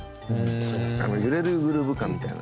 あの揺れるグルーブ感みたいなね。